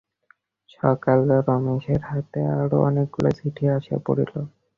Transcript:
সকালে রমেশের হাতে আরো অনেকগুলা চিঠি আসিয়া পড়িল।